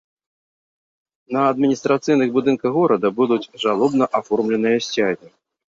На адміністрацыйных будынках горада будуць жалобна аформленыя сцягі.